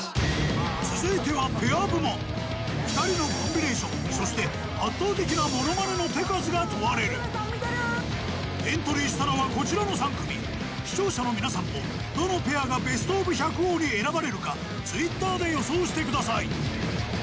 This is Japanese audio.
続いてはペア部門２人のコンビネーションそして圧倒的なものまねの手数が問われるエントリーしたのはこちらの３組視聴者の皆さんもどのペアがベストオブ百王に選ばれるかＴｗｉｔｔｅｒで予想してください